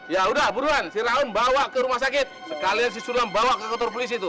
ya udah buruan si raul bawa ke rumah sakit sekalian si sulam bawa ke kantor polisi tuh